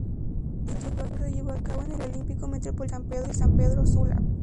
Dicho juego se llevó a cabo en el Olímpico Metropolitano de San Pedro Sula.